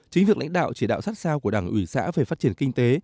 chính việc lãnh đạo chỉ đạo sát sao của đảng ủy xã về phát triển kinh tế